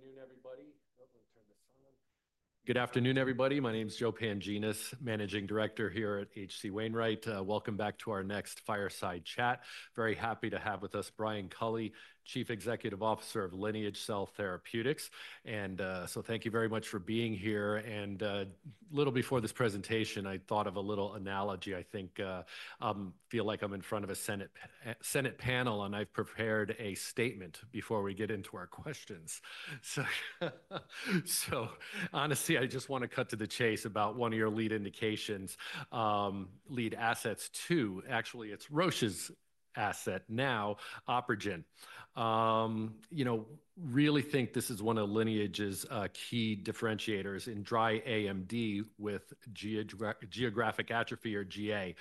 Okay, good afternoon, everybody. Oh, I'll turn this on. Good afternoon, everybody. My name's Joe Pantginas, Managing Director here at H.C. Wainwright. Welcome back to our next Fireside Chat. Very happy to have with us Brian Culley, Chief Executive Officer of Lineage Cell Therapeutics. Thank you very much for being here. A little before this presentation, I thought of a little analogy. I feel like I'm in front of a Senate panel, and I've prepared a statement before we get into our questions. Honestly, I just want to cut to the chase about one of your lead indications, lead assets too. Actually, it's Roche's asset now, OpRegen. You know, really think this is one of Lineage's key differentiators in dry AMD with geographic atrophy, or GA.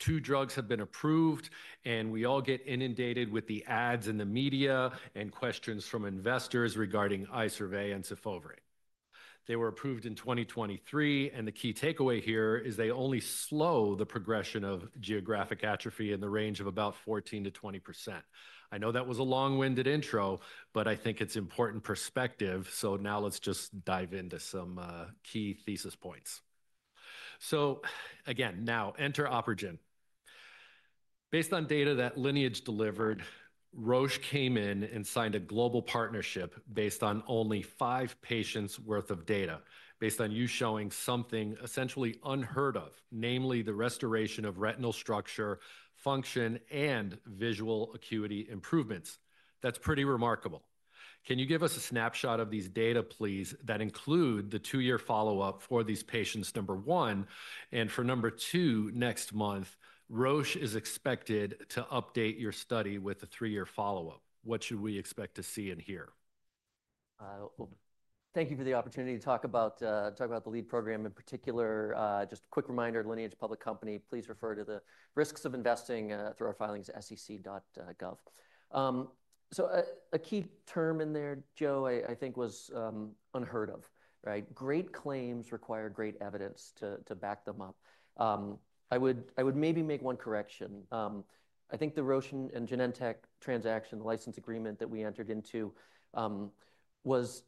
Two drugs have been approved, and we all get inundated with the ads in the media and questions from investors regarding Izervay and Syfovre. They were approved in 2023, and the key takeaway here is they only slow the progression of geographic atrophy in the range of about 14%-20%. I know that was a long-winded intro, but I think it's important perspective. Now let's just dive into some key thesis points. Again, now enter OpRegen. Based on data that Lineage delivered, Roche came in and signed a global partnership based on only five patients' worth of data, based on you showing something essentially unheard of, namely the restoration of retinal structure, function, and visual acuity improvements. That's pretty remarkable. Can you give us a snapshot of these data, please, that include the two-year follow-up for these patients, number one, and for number two, next month, Roche is expected to update your study with a three-year follow-up. What should we expect to see and hear? Thank you for the opportunity to talk about, talk about the lead program in particular. Just a quick reminder, Lineage Public Company, please refer to the risks of investing, through our filings at sec.gov. A key term in there, Joe, I think was, unheard of, right? Great claims require great evidence to back them up. I would maybe make one correction. I think the Roche and Genentech transaction, the license agreement that we entered into, was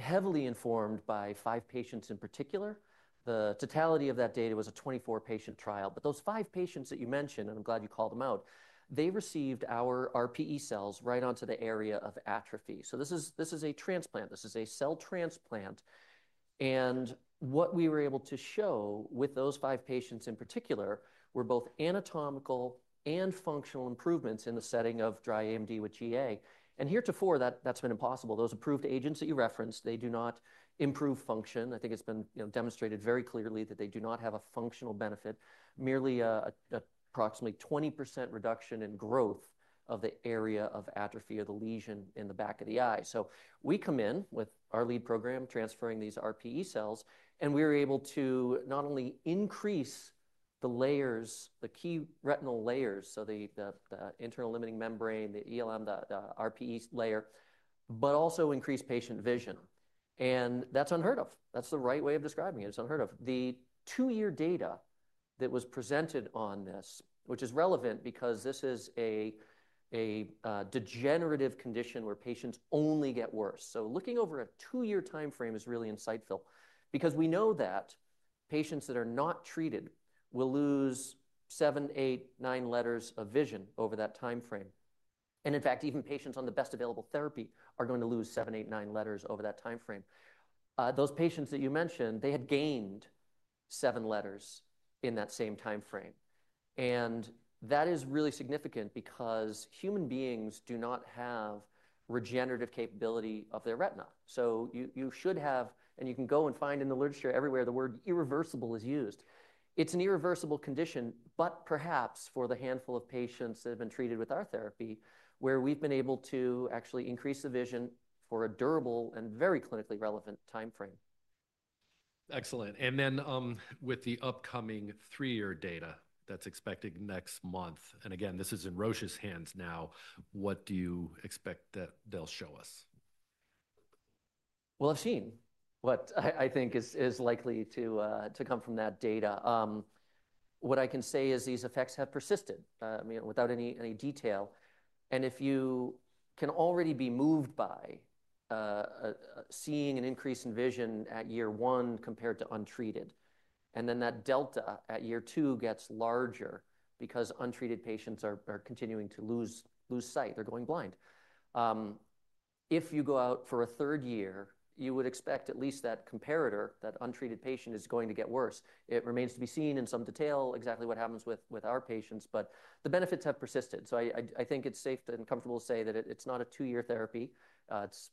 heavily informed by five patients in particular. The totality of that data was a 24-patient trial. Those five patients that you mentioned, and I'm glad you called them out, they received our RPE cells right onto the area of atrophy. This is a transplant. This is a cell transplant. What we were able to show with those five patients in particular were both anatomical and functional improvements in the setting of dry AMD with GA. Heretofore, that's been impossible. Those approved agents that you referenced, they do not improve function. I think it's been, you know, demonstrated very clearly that they do not have a functional benefit, merely a, a, approximately 20% reduction in growth of the area of atrophy or the lesion in the back of the eye. We come in with our lead program, transferring these RPE cells, and we were able to not only increase the layers, the key retinal layers, so the internal limiting membrane, the ELM, the RPE layer, but also increase patient vision. That's unheard of. That's the right way of describing it. It's unheard of. The two-year data that was presented on this, which is relevant because this is a, a degenerative condition where patients only get worse. Looking over a two-year timeframe is really insightful because we know that patients that are not treated will lose seven, eight, nine letters of vision over that timeframe. In fact, even patients on the best available therapy are going to lose seven, eight, nine letters over that timeframe. Those patients that you mentioned, they had gained seven letters in that same timeframe. That is really significant because human beings do not have regenerative capability of their retina. You should have, and you can go and find in the literature everywhere the word irreversible is used. It's an irreversible condition, but perhaps for the handful of patients that have been treated with our therapy, where we've been able to actually increase the vision for a durable and very clinically relevant timeframe. Excellent. With the upcoming three-year data that's expected next month, and again, this is in Roche's hands now, what do you expect that they'll show us? I've seen what I think is likely to come from that data. What I can say is these effects have persisted, I mean, without any detail. And if you can already be moved by seeing an increase in vision at year one compared to untreated, and then that delta at year two gets larger because untreated patients are continuing to lose sight. They're going blind. If you go out for a third year, you would expect at least that comparator, that untreated patient is going to get worse. It remains to be seen in some detail exactly what happens with our patients, but the benefits have persisted. I think it's safe and comfortable to say that it's not a two-year therapy.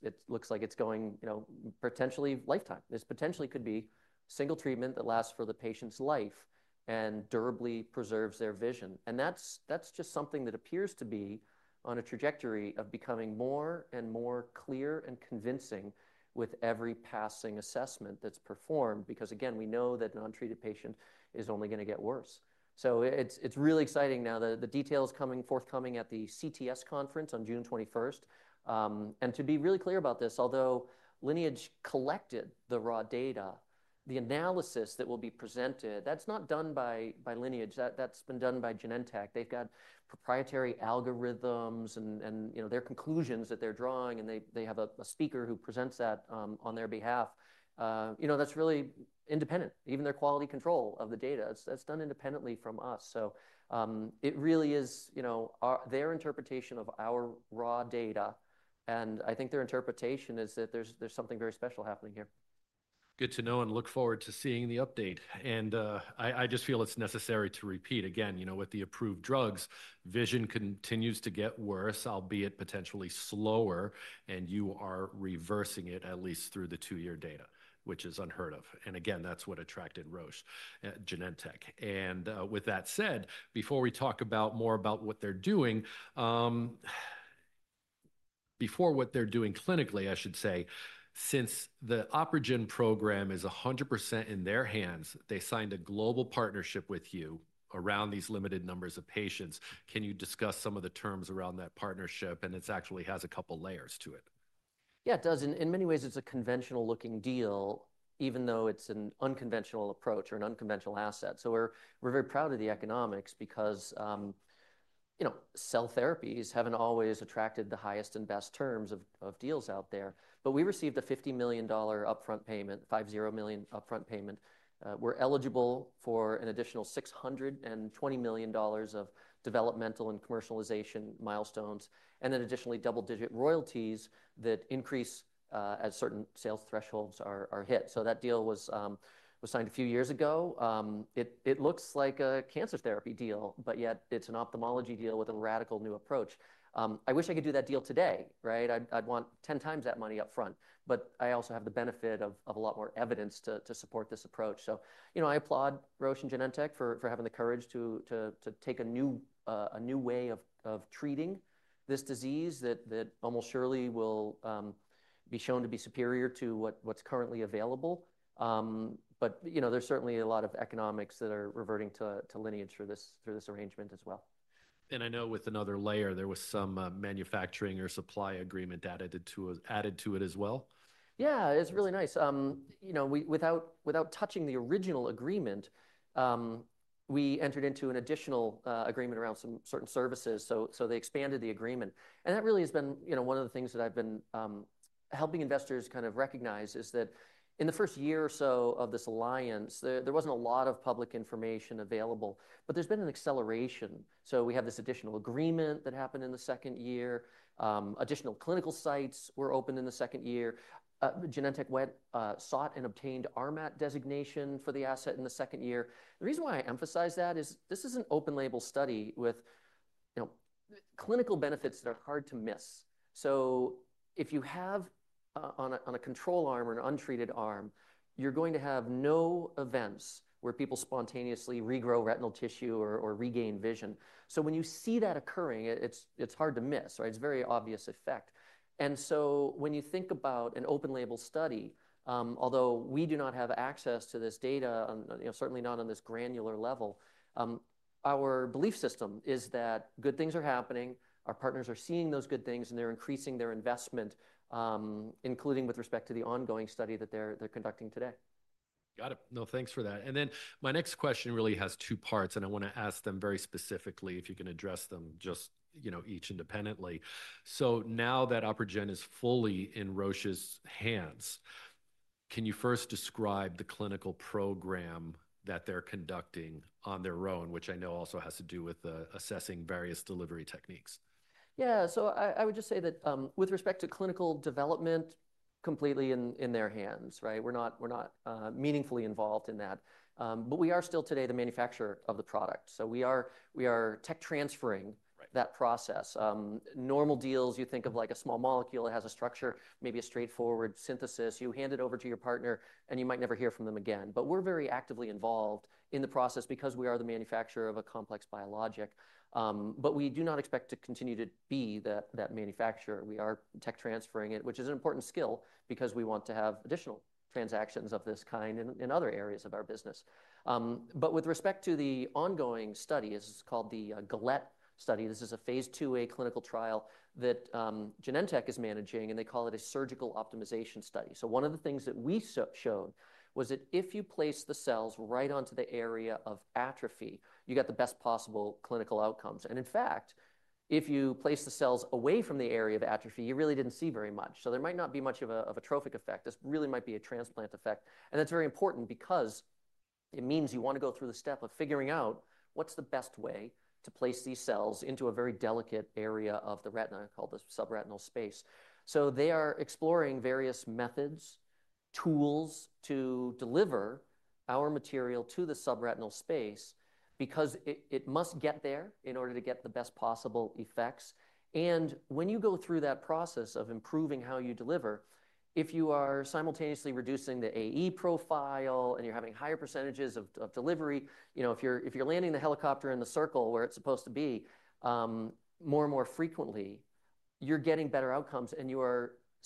It looks like it's going, you know, potentially lifetime. This potentially could be single treatment that lasts for the patient's life and durably preserves their vision. That's just something that appears to be on a trajectory of becoming more and more clear and convincing with every passing assessment that's performed because, again, we know that an untreated patient is only going to get worse. It's really exciting now that the details coming forthcoming at the CTS conference on June 21st. To be really clear about this, although Lineage collected the raw data, the analysis that will be presented, that's not done by Lineage. That's been done by Genentech. They've got proprietary algorithms and, you know, their conclusions that they're drawing, and they have a speaker who presents that on their behalf. You know, that's really independent. Even their quality control of the data, that's done independently from us. It really is, you know, our, their interpretation of our raw data, and I think their interpretation is that there's, there's something very special happening here. Good to know and look forward to seeing the update. I just feel it's necessary to repeat again, you know, with the approved drugs, vision continues to get worse, albeit potentially slower, and you are reversing it at least through the two-year data, which is unheard of. That's what attracted Roche, Genentech. With that said, before we talk more about what they're doing, before what they're doing clinically, I should say, since the OpRegen program is 100% in their hands, they signed a global partnership with you around these limited numbers of patients. Can you discuss some of the terms around that partnership? It actually has a couple layers to it. Yeah, it does. In many ways, it's a conventional looking deal, even though it's an unconventional approach or an unconventional asset. We're very proud of the economics because, you know, cell therapies haven't always attracted the highest and best terms of deals out there. But we received the $50 million upfront payment, $50 million upfront payment. We're eligible for an additional $620 million of developmental and commercialization milestones and then additionally double-digit royalties that increase, as certain sales thresholds are hit. That deal was signed a few years ago. It looks like a cancer therapy deal, but yet it's an ophthalmology deal with a radical new approach. I wish I could do that deal today, right? I'd want ten times that money upfront, but I also have the benefit of a lot more evidence to support this approach. You know, I applaud Roche and Genentech for having the courage to take a new way of treating this disease that almost surely will be shown to be superior to what's currently available. But, you know, there's certainly a lot of economics that are reverting to Lineage through this arrangement as well. I know with another layer, there was some manufacturing or supply agreement that added to it as well. Yeah, it's really nice. You know, we, without touching the original agreement, we entered into an additional agreement around some certain services. So they expanded the agreement. That really has been, you know, one of the things that I've been helping investors kind of recognize is that in the first year or so of this alliance, there wasn't a lot of public information available, but there's been an acceleration. We have this additional agreement that happened in the second year. Additional clinical sites were opened in the second year. Genentech went, sought and obtained RMAT designation for the asset in the second year. The reason why I emphasize that is this is an open label study with, you know, clinical benefits that are hard to miss. If you have, on a control arm or an untreated arm, you're going to have no events where people spontaneously regrow retinal tissue or regain vision. When you see that occurring, it's hard to miss, right? It's a very obvious effect. When you think about an open label study, although we do not have access to this data, you know, certainly not on this granular level, our belief system is that good things are happening, our partners are seeing those good things, and they're increasing their investment, including with respect to the ongoing study that they're conducting today. Got it. No, thanks for that. My next question really has two parts, and I want to ask them very specifically if you can address them just, you know, each independently. Now that OpRegen is fully in Roche's hands, can you first describe the clinical program that they're conducting on their own, which I know also has to do with assessing various delivery techniques? Yeah. I would just say that, with respect to clinical development, completely in their hands, right? We're not, we're not meaningfully involved in that. We are still today the manufacturer of the product. We are tech transferring that process. Normal deals, you think of like a small molecule, it has a structure, maybe a straightforward synthesis, you hand it over to your partner, and you might never hear from them again. We are very actively involved in the process because we are the manufacturer of a complex biologic. We do not expect to continue to be that manufacturer. We are tech transferring it, which is an important skill because we want to have additional transactions of this kind in other areas of our business. With respect to the ongoing study, it's called the GAlette study. This is a phase II-A clinical trial that Genentech is managing, and they call it a surgical optimization study. One of the things that we showed was that if you place the cells right onto the area of atrophy, you got the best possible clinical outcomes. In fact, if you place the cells away from the area of atrophy, you really did not see very much. There might not be much of a trophic effect. This really might be a transplant effect. That is very important because it means you want to go through the step of figuring out what is the best way to place these cells into a very delicate area of the retina called the subretinal space. They are exploring various methods, tools to deliver our material to the subretinal space because it, it must get there in order to get the best possible effects. When you go through that process of improving how you deliver, if you are simultaneously reducing the AE profile and you're having higher percentages of, of delivery, you know, if you're, if you're landing the helicopter in the circle where it's supposed to be, more and more frequently, you're getting better outcomes and you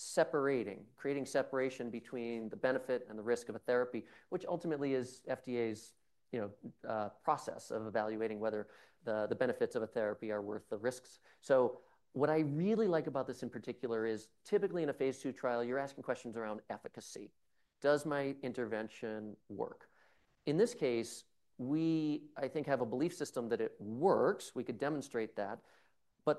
are separating, creating separation between the benefit and the risk of a therapy, which ultimately is FDA's, you know, process of evaluating whether the, the benefits of a therapy are worth the risks. What I really like about this in particular is typically in a phase II trial, you're asking questions around efficacy. Does my intervention work? In this case, we, I think, have a belief system that it works. We could demonstrate that.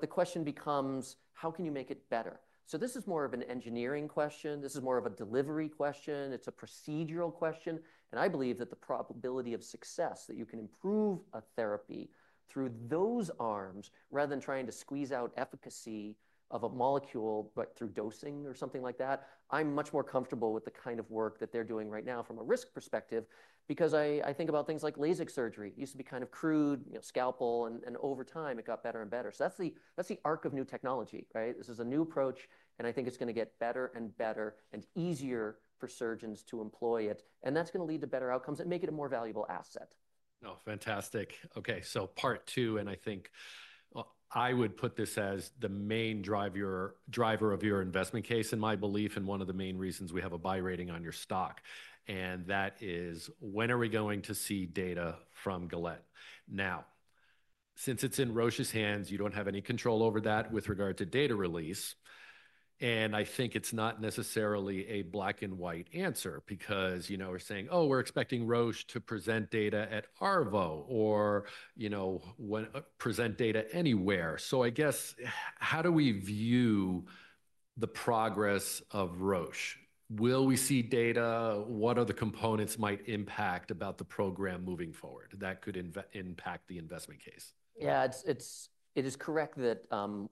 The question becomes, how can you make it better? This is more of an engineering question. This is more of a delivery question. It's a procedural question. I believe that the probability of success that you can improve a therapy through those arms rather than trying to squeeze out efficacy of a molecule, but through dosing or something like that, I'm much more comfortable with the kind of work that they're doing right now from a risk perspective because I think about things like laser surgery. It used to be kind of crude, you know, scalpel, and over time it got better and better. That's the arc of new technology, right? This is a new approach, and I think it's going to get better and better and easier for surgeons to employ it. That's going to lead to better outcomes and make it a more valuable asset. Oh, fantastic. Okay. Part two, and I think I would put this as the main driver, driver of your investment case and my belief and one of the main reasons we have a buy rating on your stock. That is, when are we going to see data from GAlette? Now, since it's in Roche's hands, you do not have any control over that with regard to data release. I think it's not necessarily a black and white answer because, you know, we're saying, oh, we're expecting Roche to present data at ARVO or, you know, when present data anywhere. I guess how do we view the progress of Roche? Will we see data? What are the components that might impact about the program moving forward that could impact the investment case? Yeah, it's, it's, it is correct that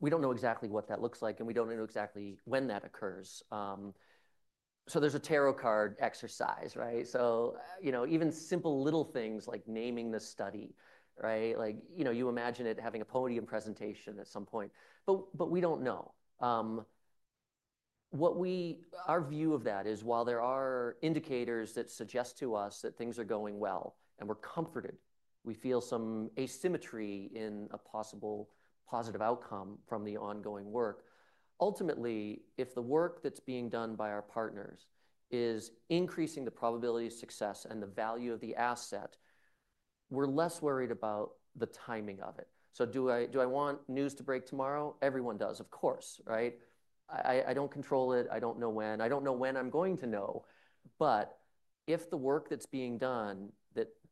we don't know exactly what that looks like and we don't know exactly when that occurs. There's a tarot card exercise, right? You know, even simple little things like naming the study, right? Like, you know, you imagine it having a podium presentation at some point, but we don't know. What we, our view of that is while there are indicators that suggest to us that things are going well and we're comforted, we feel some asymmetry in a possible positive outcome from the ongoing work. Ultimately, if the work that's being done by our partners is increasing the probability of success and the value of the asset, we're less worried about the timing of it. Do I want news to break tomorrow? Everyone does, of course, right? I don't control it. I don't know when. I don't know when I'm going to know, but if the work that's being done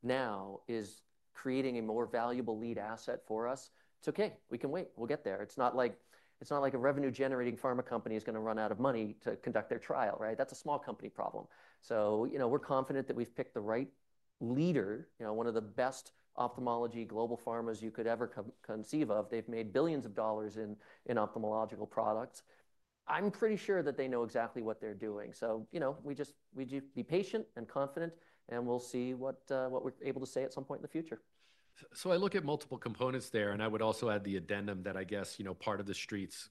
now is creating a more valuable lead asset for us, it's okay. We can wait. We'll get there. It's not like a revenue-generating pharma company is going to run out of money to conduct their trial, right? That's a small company problem. You know, we're confident that we've picked the right leader, you know, one of the best ophthalmology global pharmas you could ever conceive of. They've made billions of dollars in ophthalmological products. I'm pretty sure that they know exactly what they're doing. You know, we just be patient and confident and we'll see what we're able to say at some point in the future. I look at multiple components there, and I would also add the addendum that I guess, you know, part of the street's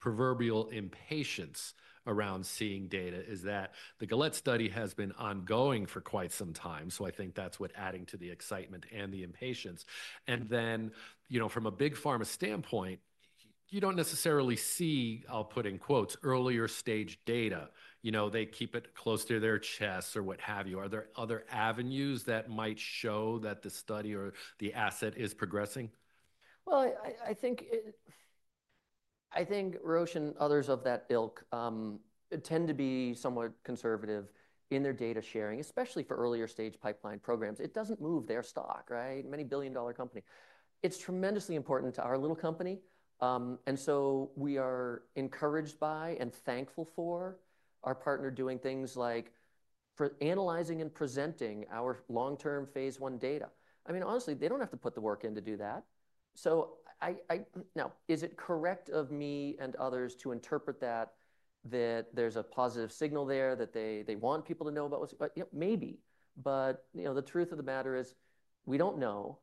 proverbial impatience around seeing data is that the GAlette study has been ongoing for quite some time. I think that's what is adding to the excitement and the impatience. You know, from a big pharma standpoint, you don't necessarily see, I'll put in quotes, earlier stage data. You know, they keep it close to their chest or what have you. Are there other avenues that might show that the study or the asset is progressing? I think it, I think Roche and others of that ilk tend to be somewhat conservative in their data sharing, especially for earlier stage pipeline programs. It does not move their stock, right? Many billion dollar company. It is tremendously important to our little company, and so we are encouraged by and thankful for our partner doing things like analyzing and presenting our long-term phase I data. I mean, honestly, they do not have to put the work in to do that. Now, is it correct of me and others to interpret that, that there is a positive signal there that they want people to know about what is, but yep, maybe, but you know, the truth of the matter is we do not know.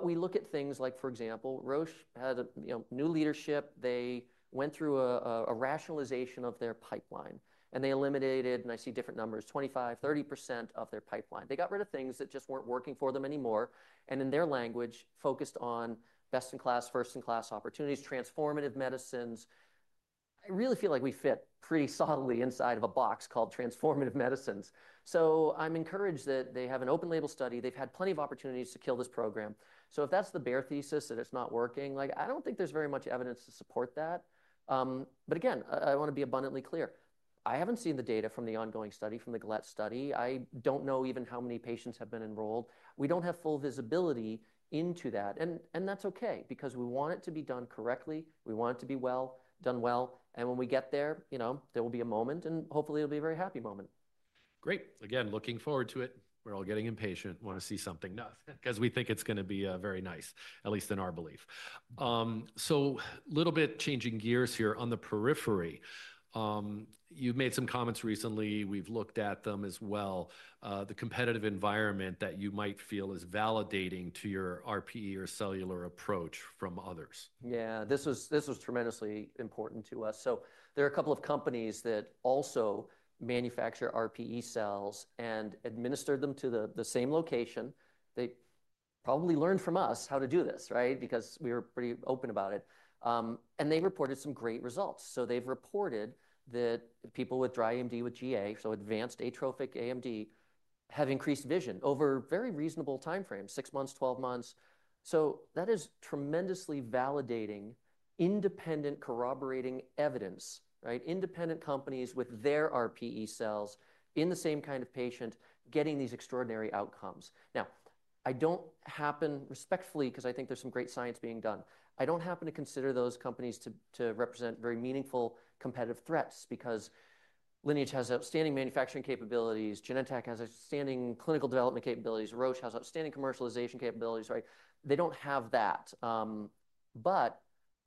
We look at things like, for example, Roche had a new leadership. They went through a rationalization of their pipeline and they eliminated, and I see different numbers, 25-30% of their pipeline. They got rid of things that just were not working for them anymore. In their language, focused on best in class, first in class opportunities, transformative medicines. I really feel like we fit pretty solidly inside of a box called transformative medicines. I am encouraged that they have an open label study. They have had plenty of opportunities to kill this program. If that is the bare thesis that it is not working, I do not think there is very much evidence to support that. I want to be abundantly clear. I have not seen the data from the ongoing study, from the GAlette study. I do not know even how many patients have been enrolled. We do not have full visibility into that. That is okay because we want it to be done correctly. We want it to be well done. Well, when we get there, you know, there will be a moment and hopefully it will be a very happy moment. Great. Again, looking forward to it. We're all getting impatient. Want to see something nut because we think it's going to be very nice, at least in our belief. A little bit changing gears here on the periphery. You've made some comments recently. We've looked at them as well. The competitive environment that you might feel is validating to your RPE or cellular approach from others. Yeah, this was, this was tremendously important to us. There are a couple of companies that also manufacture RPE cells and administered them to the, the same location. They probably learned from us how to do this, right? Because we were pretty open about it. And they reported some great results. They have reported that people with dry AMD with GA, so advanced atrophic AMD, have increased vision over very reasonable timeframes, six months, 12 months. That is tremendously validating independent corroborating evidence, right? Independent companies with their RPE cells in the same kind of patient getting these extraordinary outcomes. Now, I do not happen, respectfully, because I think there is some great science being done, I do not happen to consider those companies to represent very meaningful competitive threats because Lineage has outstanding manufacturing capabilities. Genentech has outstanding clinical development capabilities. Roche has outstanding commercialization capabilities, right? They don't have that.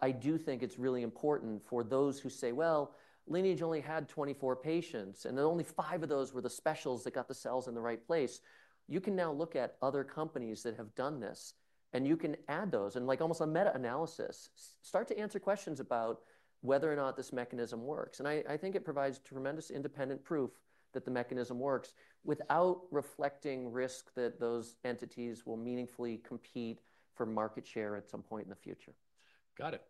I do think it's really important for those who say, well, Lineage only had 24 patients and only five of those were the specials that got the cells in the right place. You can now look at other companies that have done this and you can add those and like almost a meta analysis, start to answer questions about whether or not this mechanism works. I think it provides tremendous independent proof that the mechanism works without reflecting risk that those entities will meaningfully compete for market share at some point in the future. Got it.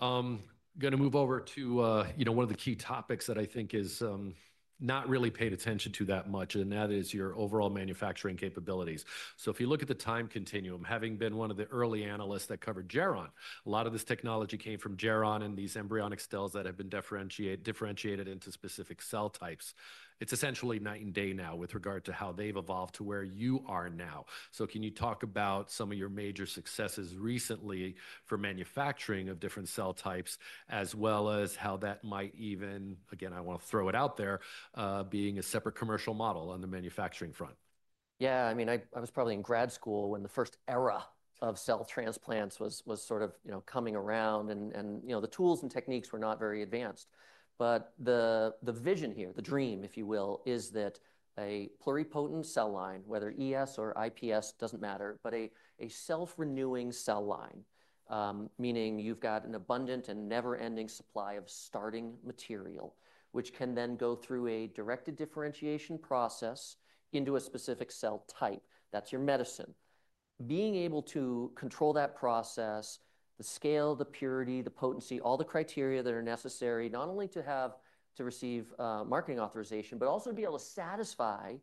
Going to move over to, you know, one of the key topics that I think is not really paid attention to that much and that is your overall manufacturing capabilities. If you look at the time continuum, having been one of the early analysts that covered Geron, a lot of this technology came from Geron and these embryonic cells that have been differentiated, differentiated into specific cell types. It's essentially night and day now with regard to how they've evolved to where you are now. Can you talk about some of your major successes recently for manufacturing of different cell types, as well as how that might even, again, I want to throw it out there, being a separate commercial model on the manufacturing front? Yeah, I mean, I was probably in grad school when the first era of cell transplants was, was sort of, you know, coming around and, you know, the tools and techniques were not very advanced. But the vision here, the dream, if you will, is that a pluripotent cell line, whether ES or IPS, doesn't matter, but a self-renewing cell line, meaning you've got an abundant and never-ending supply of starting material, which can then go through a directed differentiation process into a specific cell type. That's your medicine. Being able to control that process, the scale, the purity, the potency, all the criteria that are necessary, not only to have to receive marketing authorization, but also to be able to satisfy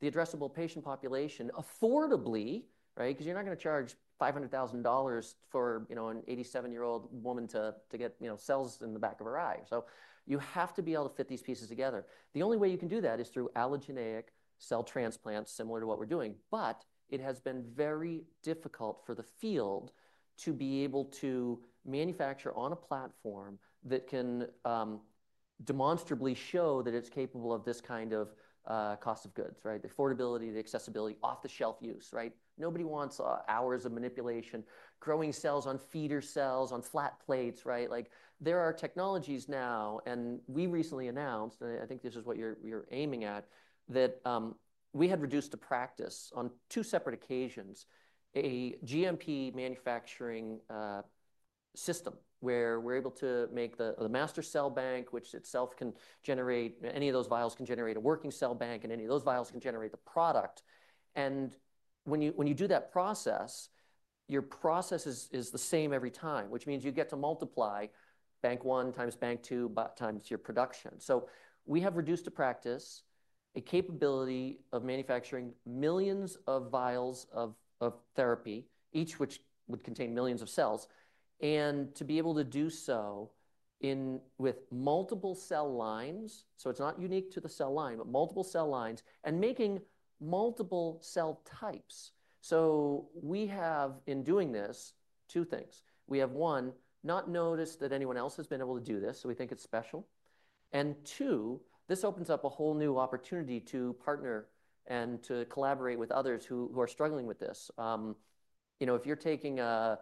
the addressable patient population affordably, right? Because you're not going to charge $500,000 for, you know, an 87-year-old woman to, to get, you know, cells in the back of her eye. You have to be able to fit these pieces together. The only way you can do that is through allogeneic cell transplants, similar to what we're doing. It has been very difficult for the field to be able to manufacture on a platform that can demonstrably show that it's capable of this kind of cost of goods, right? The affordability, the accessibility, off-the-shelf use, right? Nobody wants hours of manipulation, growing cells on feeder cells, on flat plates, right? Like there are technologies now, and we recently announced, and I think this is what you're, you're aiming at, that we had reduced to practice on two separate occasions, a GMP manufacturing system where we're able to make the master cell bank, which itself can generate, any of those vials can generate a working cell bank, and any of those vials can generate the product. When you do that process, your process is the same every time, which means you get to multiply bank one times bank two, but times your production. We have reduced to practice a capability of manufacturing millions of vials of therapy, each which would contain millions of cells. To be able to do so with multiple cell lines, so it's not unique to the cell line, but multiple cell lines and making multiple cell types. We have in doing this two things. We have, one, not noticed that anyone else has been able to do this, so we think it's special. And two, this opens up a whole new opportunity to partner and to collaborate with others who are struggling with this. You know, if you're taking a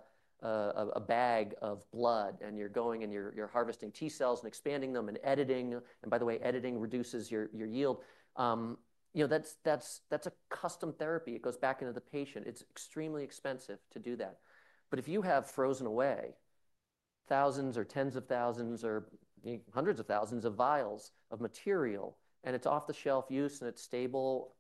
bag of blood and you're going and you're harvesting T cells and expanding them and editing, and by the way, editing reduces your yield. You know, that's a custom therapy. It goes back into the patient. It's extremely expensive to do that. But if you have frozen away thousands or tens of thousands or hundreds of thousands of vials of material and it's off-the-shelf use and it's stable,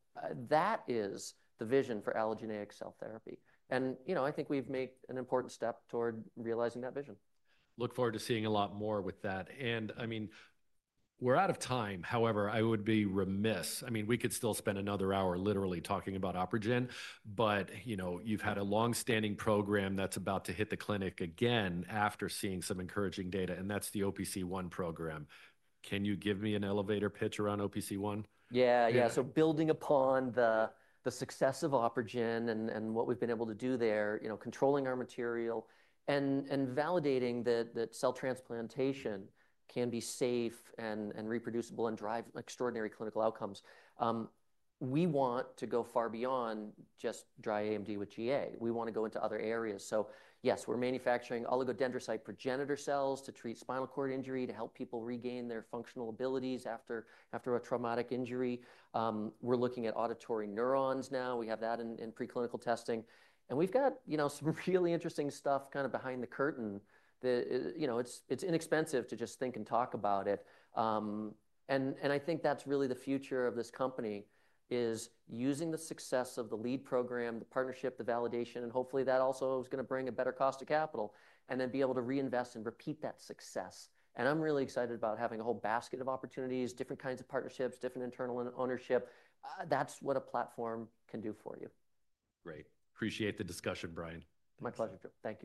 that is the vision for allogeneic cell therapy. You know, I think we've made an important step toward realizing that vision. Look forward to seeing a lot more with that. I mean, we're out of time. However, I would be remiss. I mean, we could still spend another hour literally talking about OpRegen, but you know, you've had a long-standing program that's about to hit the clinic again after seeing some encouraging data, and that's the OPC1 program. Can you give me an elevator pitch around OPC1? Yeah, yeah. Building upon the success of OpRegen and what we've been able to do there, you know, controlling our material and validating that cell transplantation can be safe and reproducible and drive extraordinary clinical outcomes, we want to go far beyond just dry AMD with GA. We want to go into other areas. Yes, we're manufacturing oligodendrocyte progenitor cells to treat spinal cord injury, to help people regain their functional abilities after a traumatic injury. We're looking at auditory neurons now. We have that in preclinical testing. And we've got, you know, some really interesting stuff kind of behind the curtain that, you know, it's inexpensive to just think and talk about it. I think that's really the future of this company is using the success of the lead program, the partnership, the validation, and hopefully that also is going to bring a better cost of capital and then be able to reinvest and repeat that success. I'm really excited about having a whole basket of opportunities, different kinds of partnerships, different internal ownership. That's what a platform can do for you. Great. Appreciate the discussion, Brian. My pleasure, Joe. Thank you.